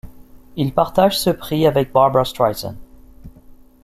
Il partage ce prix avec Barbra Streisand.